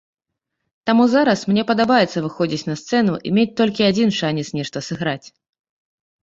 Таму зараз мне падабаецца выходзіць на сцэну і мець толькі адзін шанец нешта сыграць.